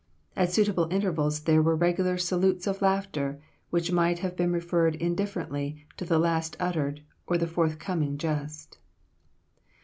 At suitable intervals there were regular salutes of laughter, which might have been referred indifferently to the last uttered or the forthcoming jest."